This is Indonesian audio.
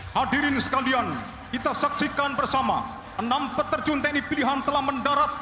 hadirin sekalian kita saksikan bersama enam peterjun tni pilihan telah mendarat